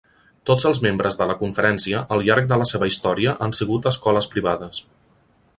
Tots els membres de la conferència al llarg de la seva història han sigut escoles privades.